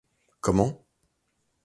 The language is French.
Comment !